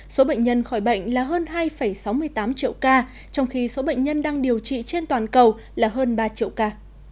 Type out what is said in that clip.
số bệnh nhân khỏi bệnh là hơn hai sáu mươi tám triệu ca trong khi số bệnh nhân đang điều trị trên toàn cầu là hơn ba triệu ca